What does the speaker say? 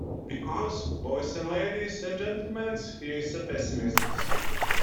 Because, boys and ladies and gentlemen, he is a pessimist.